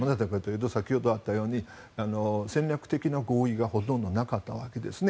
先ほどあったように戦略的な合意がほとんどなかったわけですね。